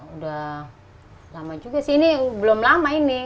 udah lama juga sih ini belum lama ini